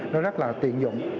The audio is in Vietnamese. nó rất là tiện dụng